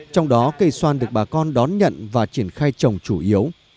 trong đó cây xoan được bà con đón nhận và triển khai trồng chủ yếu